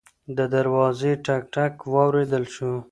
د دروازې ټک ټک واورېدل شو.